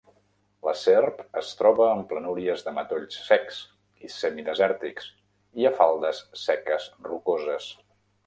La serp es troba en planúries de matolls secs i semidesèrtics i a faldes seques rocoses.